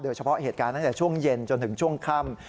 เฉพาะเหตุการณ์ตั้งแต่ช่วงเย็นจนถึงช่วงค่ำ